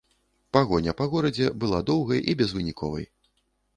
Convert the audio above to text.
Пагоня па горадзе была доўгай і безвыніковай.